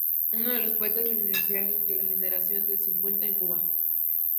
Es uno de los poetas esenciales de la Generación del cincuenta, en Cuba.